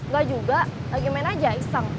gak juga lagi main aja iseng